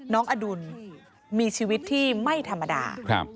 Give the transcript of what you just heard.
อดุลมีชีวิตที่ไม่ธรรมดา